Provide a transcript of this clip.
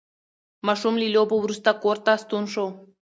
ماشوم له لوبو وروسته کور ته ستون شو